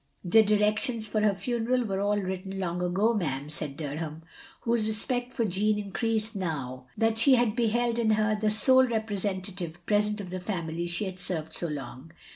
"The directions for her ftmeral was all written long ago, ma'am," said Dunham, whose respect for Jeanne increased now that she beheld in her the sole representative present of the family she had served so long.